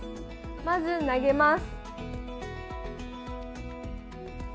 まず投げます。